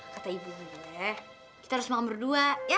kata ibu boleh kita harus makan berdua ya